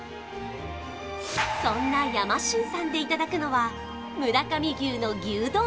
そんなやま信さんでいただくのは村上牛の牛丼